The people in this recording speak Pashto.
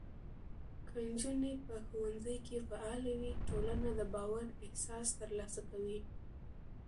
که نجونې په ښوونځي کې فعاله وي، ټولنه د باور احساس ترلاسه کوي.